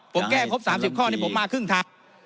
ผมแก้ครบ๓๐ข้อนี้ผมมาครึ่งทาง